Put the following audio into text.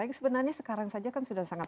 yang sebenarnya sekarang saja kan sudah sangat